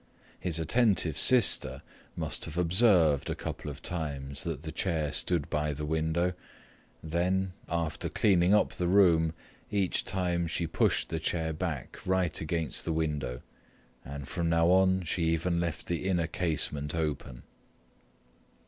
His attentive sister must have observed a couple of times that the chair stood by the window; then, after cleaning up the room, each time she pushed the chair back right against the window and from now on she even left the inner casement open.